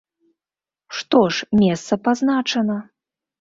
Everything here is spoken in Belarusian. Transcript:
Што ж, месца пазначана.